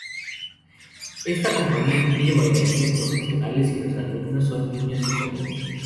Esta compañía incluye bailarines profesionales y los alumnos son niños y jóvenes.